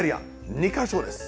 ２か所です。